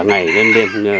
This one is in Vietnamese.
ngày đến đêm